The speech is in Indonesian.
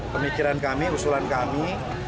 pemikiran kami usulan kami